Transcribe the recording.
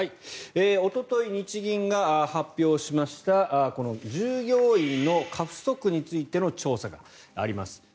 おととい日銀が発表したこの従業員の過不足についての調査があります。